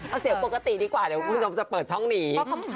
เอาเสียงปกติดีกว่าเดี๋ยวคุณผู้ชมจะเปิดช่องนี้